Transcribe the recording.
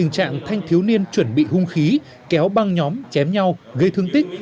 chuẩn bị hung khí kéo băng nhóm chém nhau gây thương tích